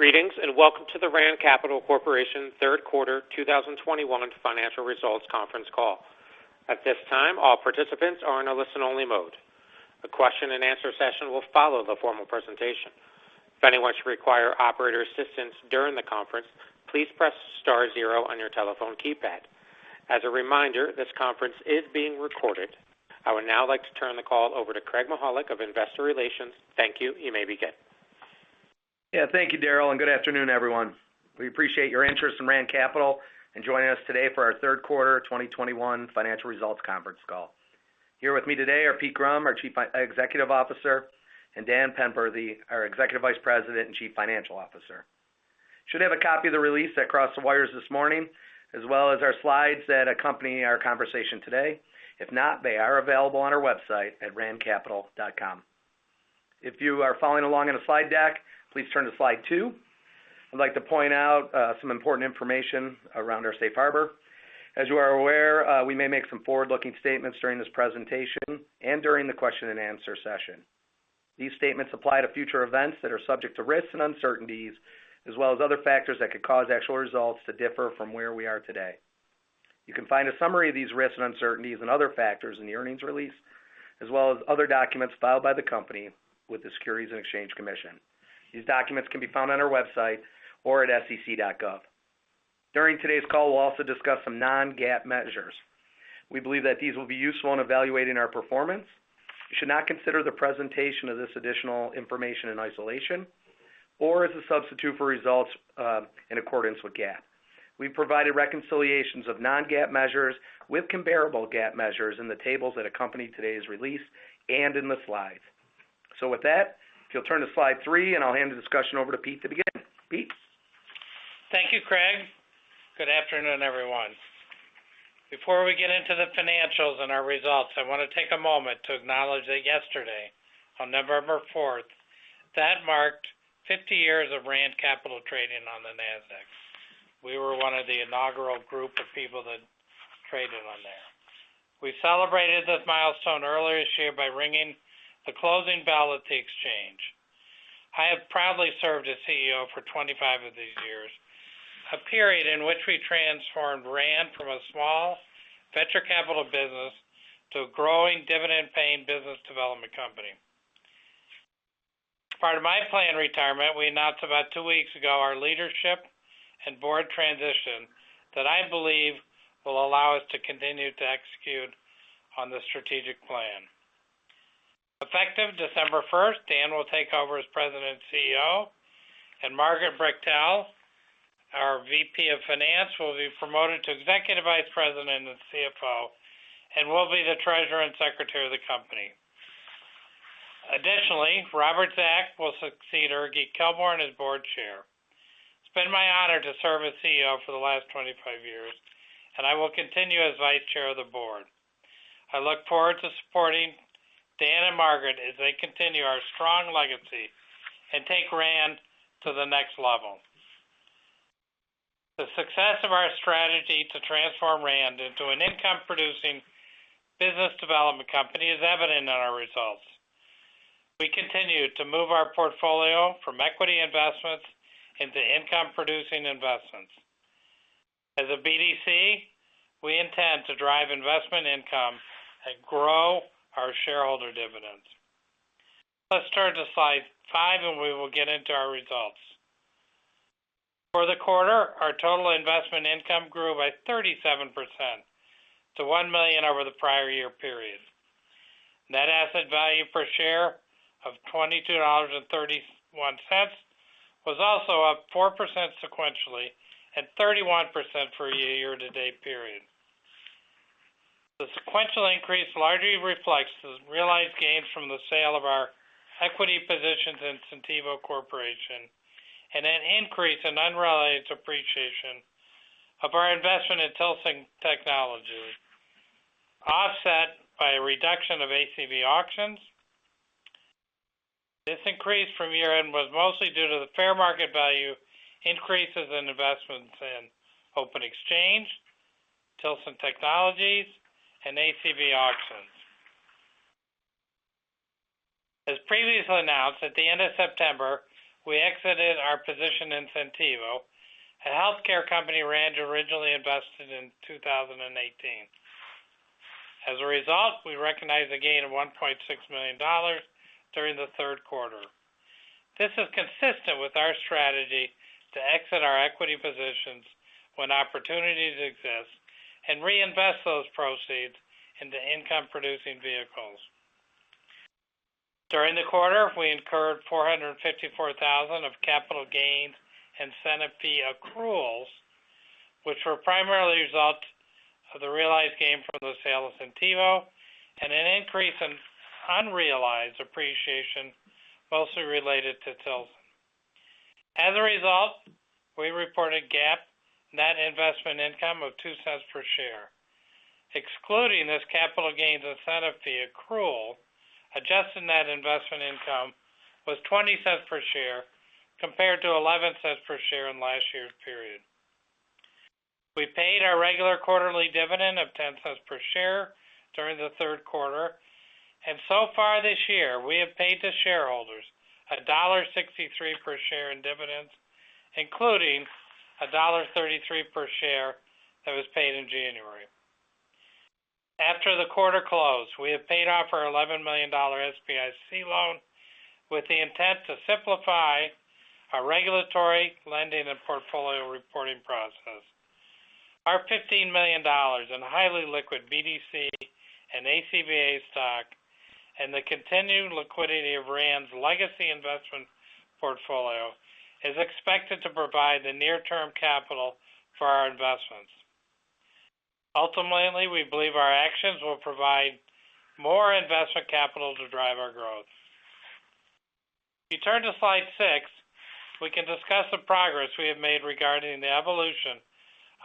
Greetings, and welcome to the Rand Capital Corporation Q3 2021 financial results conference call. At this time, all participants are in a listen-only mode. The question-and-answer session will follow the formal presentation. If anyone should require operator assistance during the conference, please press star zero on your telephone keypad. As a reminder, this conference is being recorded. I would now like to turn the call over to Craig Mychajluk of Investor Relations. Thank you. You may begin. Yeah. Thank you, Daryl, and good afternoon, everyone. We appreciate your interest in Rand Capital and joining us today for our Q3 2021 financial results conference call. Here with me today are Pete Grum, our Chief Executive Officer, and Daniel Penberthy, our Executive Vice President and Chief Financial Officer. You should have a copy of the release that crossed the wires this morning, as well as our slides that accompany our conversation today. If not, they are available on our website at randcapital.com. If you are following along in a slide deck, please turn to slide two. I'd like to point out some important information around our safe harbor. As you are aware, we may make some forward-looking statements during this presentation and during the question-and-answer session. These statements apply to future events that are subject to risks and uncertainties, as well as other factors that could cause actual results to differ from where we are today. You can find a summary of these risks and uncertainties and other factors in the earnings release, as well as other documents filed by the company with the Securities and Exchange Commission. These documents can be found on our website or at sec.gov. During today's call, we'll also discuss some non-GAAP measures. We believe that these will be useful in evaluating our performance. You should not consider the presentation of this additional information in isolation or as a substitute for results in accordance with GAAP. We've provided reconciliations of non-GAAP measures with comparable GAAP measures in the tables that accompany today's release and in the slides. With that, if you'll turn to slide three, and I'll hand the discussion over to Pete to begin. Pete? Thank you, Craig. Good afternoon, everyone. Before we get into the financials and our results, I wanna take a moment to acknowledge that yesterday, on November fourth, that marked 50 years of Rand Capital trading on the Nasdaq. We were one of the inaugural group of people that traded on there. We celebrated this milestone earlier this year by ringing the closing bell at the exchange. I have proudly served as CEO for 25 of these years, a period in which we transformed RAND from a small venture capital business to a growing dividend-paying business development company. As part of my planned retirement, we announced about two weeks ago our leadership and board transition that I believe will allow us to continue to execute on the strategic plan. Effective December first, Dan will take over as President and CEO, and Margaret Brechtel, our VP of Finance, will be promoted to Executive Vice President and CFO and will be the Treasurer and Secretary of the company. Additionally, Robert Zak will succeed Erland Kailbourne as Board Chair. It's been my honor to serve as CEO for the last 25 years, and I will continue as Vice Chair of the board. I look forward to supporting Dan and Margaret as they continue our strong legacy and take RAND to the next level. The success of our strategy to transform RAND into an income-producing business development company is evident in our results. We continue to move our portfolio from equity investments into income-producing investments. As a BDC, we intend to drive investment income and grow our shareholder dividends. Let's turn to slide five, and we will get into our results. For the quarter, our total investment income grew by 37% to $1 million over the prior year period. Net asset value per share of $22.31 was also up 4% sequentially and 31% for a year-to-date period. The sequential increase largely reflects the realized gains from the sale of our equity positions in Centivo Corporation and an increase in unrealized appreciation of our investment in Tilson Technologies, offset by a reduction of ACV Auctions. This increase from year-end was mostly due to the fair market value increases in investments in OpenExchange, Tilson Technologies, and ACV Auctions. As previously announced, at the end of September, we exited our position in Centivo, a healthcare company RAND originally invested in 2018. As a result, we recognized a gain of $1.6 million during the Q3. This is consistent with our strategy to exit our equity positions when opportunities exist and reinvest those proceeds into income-producing vehicles. During the quarter, we incurred $454,000 of capital gains and incentive fee accruals, which were primarily a result of the realized gain from the sale of Centivo and an increase in unrealized appreciation, mostly related to Tilson. As a result, we reported GAAP net investment income of $0.02 per share. Excluding this capital gains incentive fee accrual, adjusted net investment income was $0.20 per share, compared to $0.11 per share in last year's period. We paid our regular quarterly dividend of $0.10 per share during the Q3. So far this year, we have paid the shareholders $1.63 per share in dividends, including $1.33 per share that was paid in January. After the quarter close, we have paid off our $11 million SBIC loan with the intent to simplify our regulatory lending and portfolio reporting process. Our $15 million in highly liquid BDC and ACV stock and the continued liquidity of RAND's legacy investment portfolio is expected to provide the near-term capital for our investments. Ultimately, we believe our actions will provide more investment capital to drive our growth. If you turn to slide six, we can discuss the progress we have made regarding the evolution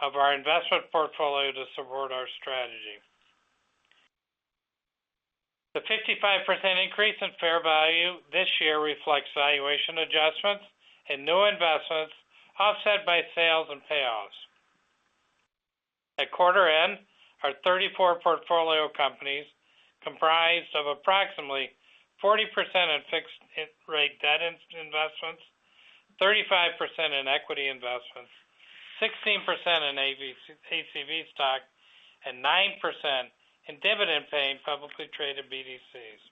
of our investment portfolio to support our strategy. The 55% increase in fair value this year reflects valuation adjustments and new investments, offset by sales and payoffs. At quarter end, our 34 portfolio companies comprised of approximately 40% in fixed rate debt investments, 35% in equity investments, 16% in AV... ACV stock and 9% in dividend-paying publicly traded BDCs.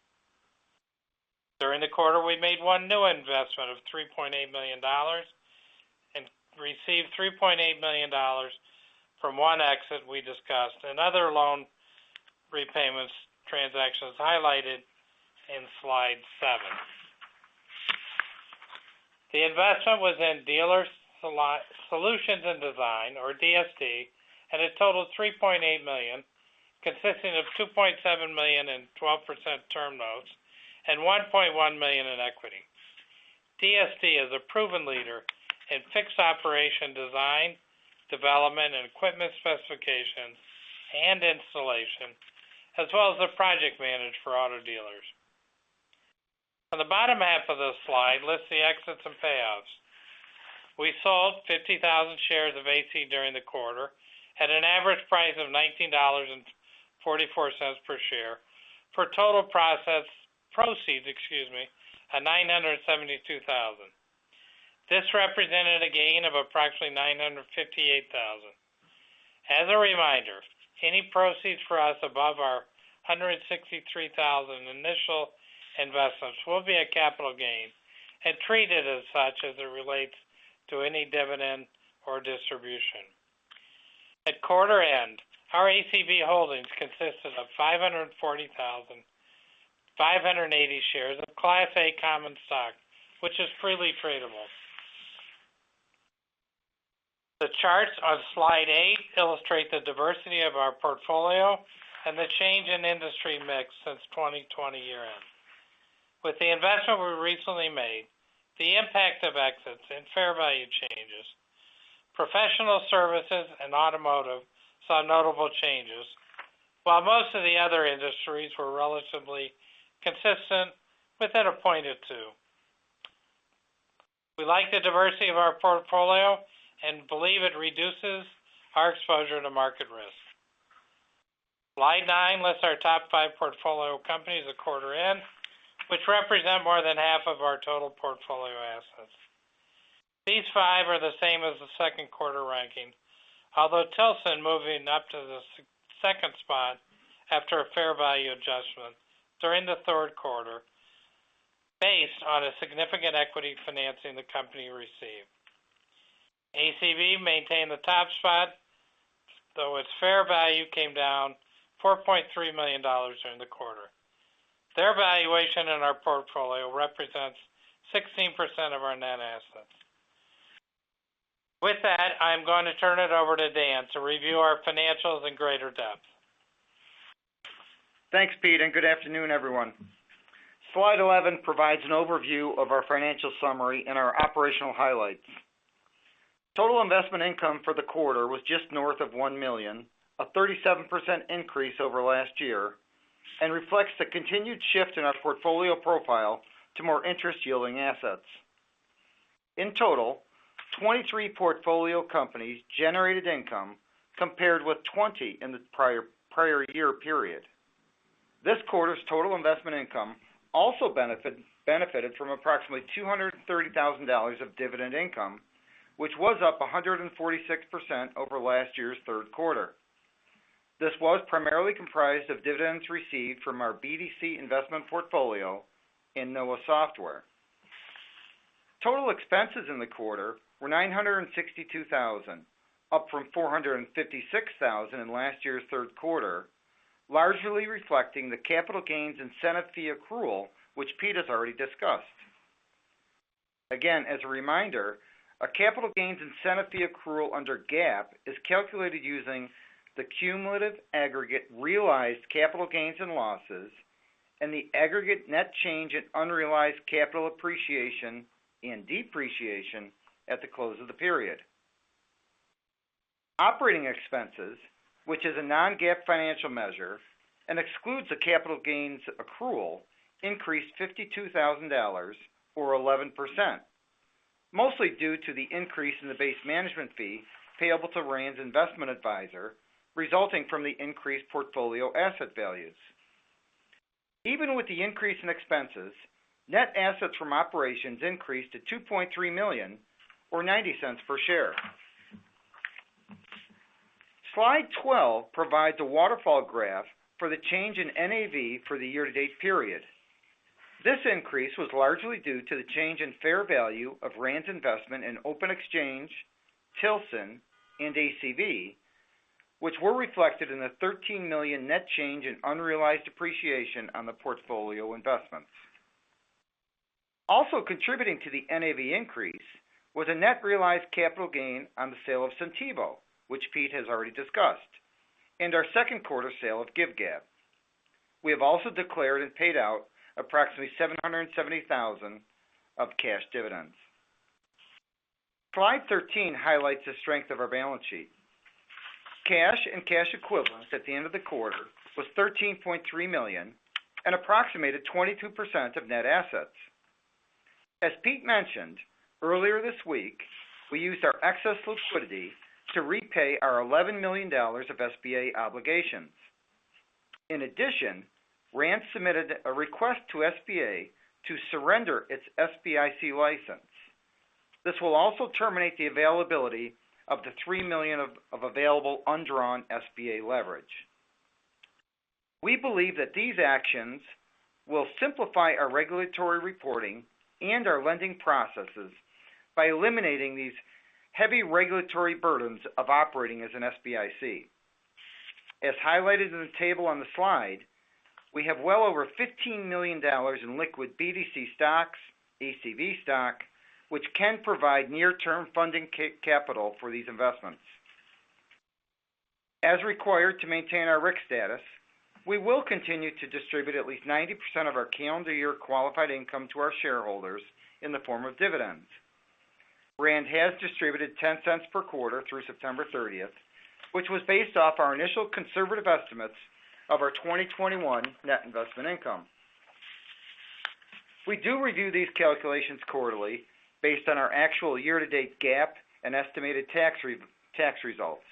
During the quarter, we made one new investment of $3.8 million and received $3.8 million from one exit we discussed and other loan repayments, transactions highlighted in slide seven. The investment was in Dealer Solutions & Design, or DSD, and it totaled $3.8 million, consisting of $2.7 million in 12% term notes and $1.1 million in equity. DSD is a proven leader in fixed operation design, development, and equipment specification and installation, as well as the project manager for auto dealers. On the bottom half of the slide lists the exits and payoffs. We sold 50,000 shares of ACV during the quarter at an average price of $19.44 per share for total proceeds of $972,000. This represented a gain of approximately $958,000. As a reminder, any proceeds for us above our $163,000 initial investments will be a capital gain and treated as such as it relates to any dividend or distribution. At quarter end, our ACV holdings consisted of 540,580 shares of Class A common stock, which is freely tradable. The charts on slide eight illustrate the diversity of our portfolio and the change in industry mix since 2020 year-end. With the investment we recently made, the impact of exits and fair value changes, professional services and automotive saw notable changes, while most of the other industries were relatively consistent within a point or two. We like the diversity of our portfolio and believe it reduces our exposure to market risk. Slide nine lists our top five portfolio companies at quarter end, which represent more than half of our total portfolio assets. These five are the same as the Q2 ranking, although Tilson moving up to the second spot after a fair value adjustment during the Q3 based on a significant equity financing the company received. ACV maintained the top spot, though its fair value came down $4.3 million during the quarter. Their valuation in our portfolio represents 16% of our net assets. With that, I'm going to turn it over to Dan to review our financials in greater depth. Thanks, Pete, and good afternoon, everyone. Slide 11 provides an overview of our financial summary and our operational highlights. Total investment income for the quarter was just north of $1 million, a 37% increase over last year, and reflects the continued shift in our portfolio profile to more interest-yielding assets. In total, 23 portfolio companies generated income compared with 20 in the prior year period. This quarter's total investment income also benefited from approximately $230,000 of dividend income, which was up 146% over last year's Q3. This was primarily comprised of dividends received from our BDC investment portfolio in Nova Software. Total expenses in the quarter were $962,000, up from $456,000 in last year's Q3, largely reflecting the capital gains incentive fee accrual, which Pete has already discussed. Again, as a reminder, a capital gains incentive fee accrual under GAAP is calculated using the cumulative aggregate realized capital gains and losses and the aggregate net change in unrealized capital appreciation and depreciation at the close of the period. Operating expenses, which is a non-GAAP financial measure and excludes the capital gains accrual, increased $52,000 or 11%. Mostly due to the increase in the base management fee payable to RAND's investment advisor, resulting from the increased portfolio asset values. Even with the increase in expenses, net assets from operations increased to $2.3 million or $0.90 per share. Slide 12 provides a waterfall graph for the change in NAV for the year-to-date period. This increase was largely due to the change in fair value of RAND's investment in OpenExchange, Tilson and ACV, which were reflected in the $13 million net change in unrealized appreciation on the portfolio investments. Also contributing to the NAV increase was a net realized capital gain on the sale of Centivo, which Pete has already discussed, and our Q2 sale of GiveGab. We have also declared and paid out approximately $770,000 of cash dividends. Slide 13 highlights the strength of our balance sheet. Cash and cash equivalents at the end of the quarter was $13.3 million and approximated 22% of net assets. As Pete mentioned earlier this week, we used our excess liquidity to repay our $11 million of SBA obligations. In addition, RAND submitted a request to SBA to surrender its SBIC license. This will also terminate the availability of the $3 million of available undrawn SBA leverage. We believe that these actions will simplify our regulatory reporting and our lending processes by eliminating these heavy regulatory burdens of operating as an SBIC. As highlighted in the table on the slide, we have well over $15 million in liquid BDC stocks, ACV stock, which can provide near-term funding capital for these investments. As required to maintain our RIC status, we will continue to distribute at least 90% of our calendar year qualified income to our shareholders in the form of dividends. RAND has distributed $0.10 per quarter through September 30, which was based off our initial conservative estimates of our 2021 net investment income. We do review these calculations quarterly based on our actual year-to-date GAAP and estimated tax results.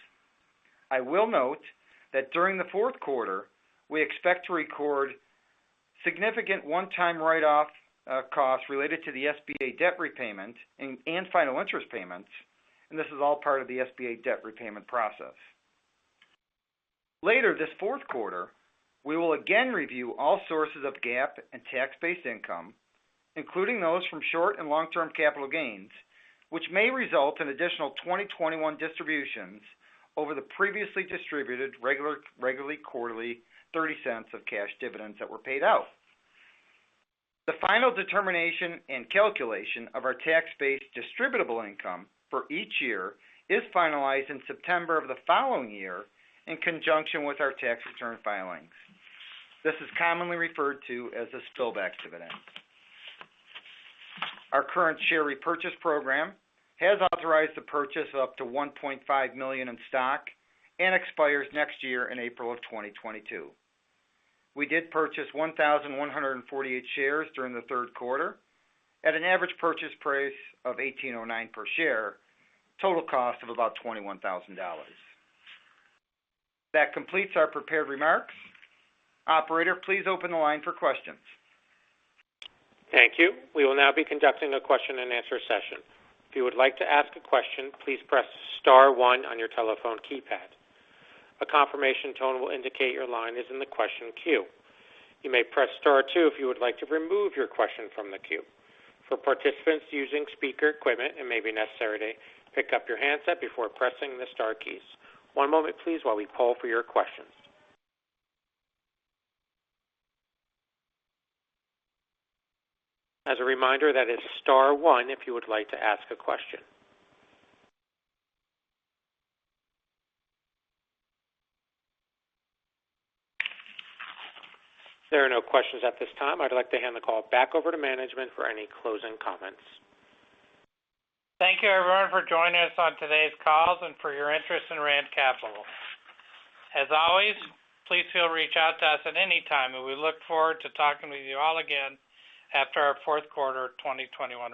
I will note that during the Q4, we expect to record significant one-time write-off costs related to the SBA debt repayment and final interest payments, and this is all part of the SBA debt repayment process. Later this Q4, we will again review all sources of GAAP and tax-based income, including those from short and long-term capital gains, which may result in additional 2021 distributions over the previously distributed regularly quarterly $0.30 cash dividends that were paid out. The final determination and calculation of our tax-based distributable income for each year is finalized in September of the following year in conjunction with our tax return filings. This is commonly referred to as a spillover dividend. Our current share repurchase program has authorized the purchase of up to 1.5 million in stock and expires next year in April 2022. We did purchase 1,148 shares during the Q3 at an average purchase price of $18.09 per share, total cost of about $21,000. That completes our prepared remarks. Operator, please open the line for questions. Thank you. We will now be conducting a question and answer session. If you would like to ask a question, please press star one on your telephone keypad. A confirmation tone will indicate your line is in the question queue. You may press star two if you would like to remove your question from the queue. For participants using speaker equipment, it may be necessary to pick up your handset before pressing the star keys. One moment please while we poll for your questions. As a reminder, that is star one if you would like to ask a question. There are no questions at this time. I'd like to hand the call back over to management for any closing comments. Thank you everyone for joining us on today's call and for your interest in Rand Capital. As always, please feel free to reach out to us at any time, and we look forward to talking with you all again after our Q4 2021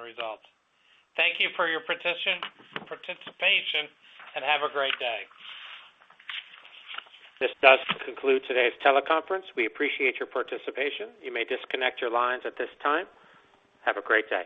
results. Thank you for your participation, and have a great day. This does conclude today's teleconference. We appreciate your participation. You may disconnect your lines at this time. Have a great day.